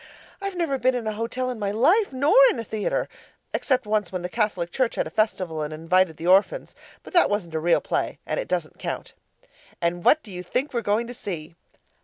I've never been in a hotel in my life, nor in a theatre; except once when the Catholic Church had a festival and invited the orphans, but that wasn't a real play and it doesn't count. And what do you think we're going to see?